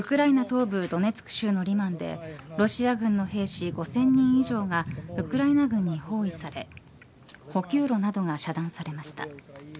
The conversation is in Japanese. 東部ドネツク州のリマンでロシア軍の兵士５０００人以上がウクライナ軍に包囲され補給路などが遮断されました。